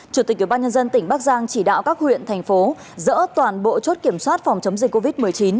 chủ tịch ủy ban nhân dân tỉnh bắc giang chỉ đạo các huyện thành phố dỡ toàn bộ chốt kiểm soát phòng chống dịch covid một mươi chín